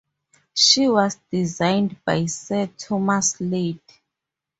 She was designed by Sir Thomas Slade.